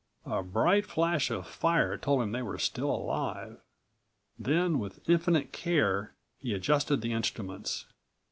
A bright flash of fire told him they were still alive. Then with infinite care he adjusted the instruments.